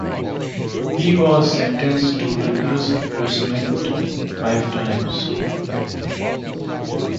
He was sentenced to rigorous imprisonment five times.